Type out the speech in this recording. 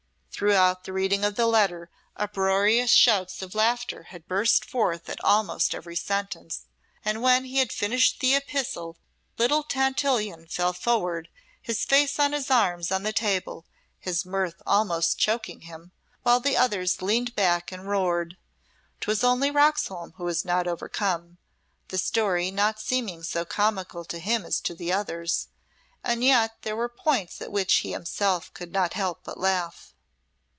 Throughout the reading of the letter uproarious shouts of laughter had burst forth at almost every sentence, and when he had finished the epistle, little Tantillion fell forward, his face on his arms on the table, his mirth almost choking him, while the others leaned back and roared. 'Twas only Roxholm who was not overcome, the story not seeming so comical to him as to the others, and yet there were points at which he himself could not help but laugh.